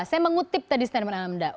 saya mengutip tadi pak muda